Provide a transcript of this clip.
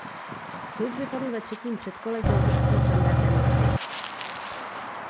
Klub vypadl ve třetím předkole s belgickým Standardem Lutych.